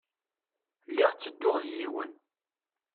Lliɣ ttedduɣ d yiwen.